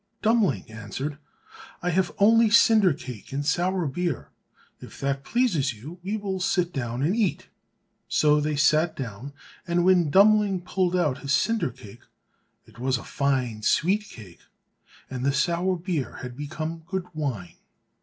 Dummling answered, "I have only cinder cake and sour beer; if that pleases you, we will sit down and eat." So they sat down, and when Dummling pulled out his cinder cake, it was a fine sweet cake, and the sour beer had become good wine.